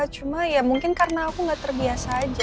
cuma ya mungkin karena aku nggak terbiasa aja